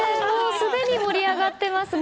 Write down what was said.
すでに盛り上がってますね。